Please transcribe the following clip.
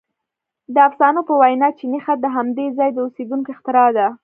• د افسانو په وینا چیني خط د همدې ځای د اوسېدونکو اختراع دی.